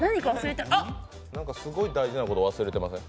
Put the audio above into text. すごい大事なこと忘れてません？